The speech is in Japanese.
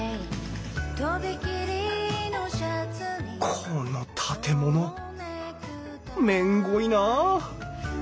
この建物めんごいなあ